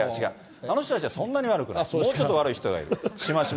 あの人たちはそんなに悪くない。